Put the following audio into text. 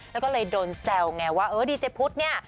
แล้วก็เลยโดนแซวไงว่าเออดีเจพุทธเนี่ย